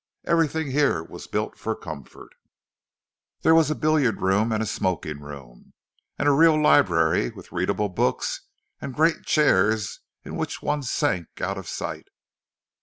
Everything here was built for comfort—there was a billiard room and a smoking room, and a real library with readable books and great chairs in which one sank out of sight.